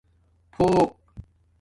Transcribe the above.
پھوق